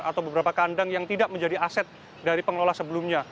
atau beberapa kandang yang tidak menjadi aset dari pengelola sebelumnya